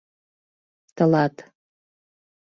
— Тылат.